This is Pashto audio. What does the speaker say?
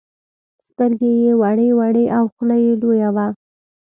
سترگې يې وړې وړې او خوله يې لويه وه.